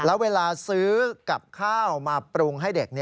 แล้วเวลาซื้อกับข้าวมาปรุงให้เด็ก